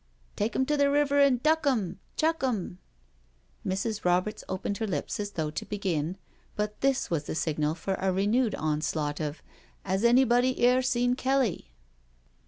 " Take 'em to the river and duck 'em — chuck 'em." Mrs. Roberts opened her lips as though to begin, but this was the signal for a renewed onslaught pf '* 'As anybody 'ere seen Kelly?"